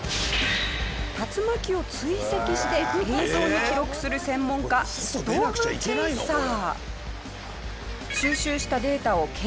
竜巻を追跡して映像に記録する専門家ストームチェイサー。